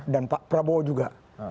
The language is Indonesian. dan pak prabowo juga